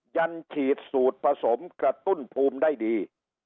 ันฉีดสูตรผสมกระตุ้นภูมิได้ดี